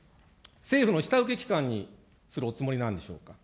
政府の下請け機関にするおつもりなんでしょうか。